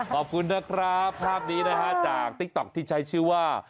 ขอบคุณนะครับภาพนี้นะฮะจากติ๊กต๊อกที่ใช้ชื่อว่า